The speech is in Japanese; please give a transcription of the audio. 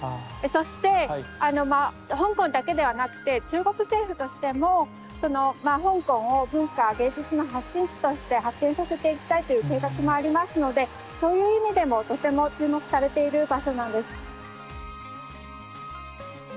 そして香港だけではなくて中国政府としても香港を文化芸術の発信地として発展させていきたいという計画もありますのでそういう意味でもとても注目されている場所なんです。